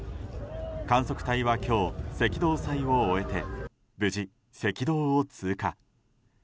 観測隊は今日、赤道祭を終えて無事、赤道を通過。